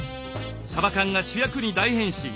さば缶が主役に大変身。